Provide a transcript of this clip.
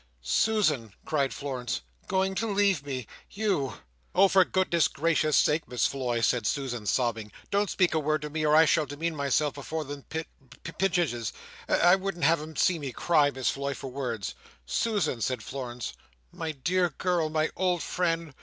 "Susan!" cried Florence. "Going to leave me! You!" "Oh for goodness gracious sake, Miss Floy," said Susan, sobbing, "don't speak a word to me or I shall demean myself before them Pi i pchinses, and I wouldn't have 'em see me cry Miss Floy for worlds!" "Susan!" said Florence. "My dear girl, my old friend!